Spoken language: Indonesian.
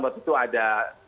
waktu itu ada